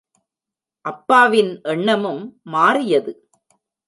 அப்பாவின் எண்ணமும் மாறியது.